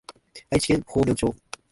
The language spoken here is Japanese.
愛知県豊明市